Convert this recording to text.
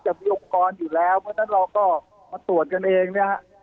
จะมีองค์กรอยู่แล้วเพราะฉะนั้นเราก็มาตรวจกันเองนะฮะ